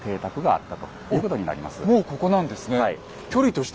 おっもうここなんですね。